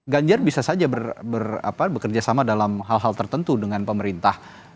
ganjar bisa saja bekerja sama dalam hal hal tertentu dengan pemerintah